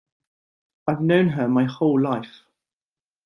I've known her my whole life.